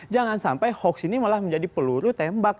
jangan sampai hoax ini malah menjadi peluru tembak